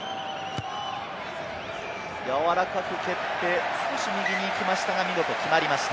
やわらかく蹴って、少し右に行きましたが、見事、決まりました。